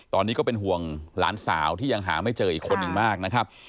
ตอนนี้ก็เป็นห่วงหลานสาวที่ยังหาไม่เจออีกคนหนึ่งมากนะครับ